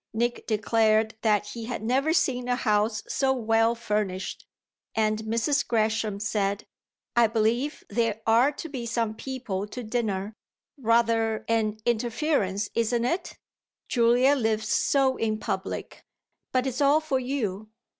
Nick declared that he had never seen a house so well furnished, and Mrs. Gresham said: "I believe there are to be some people to dinner; rather an interference, isn't it? Julia lives so in public. But it's all for you."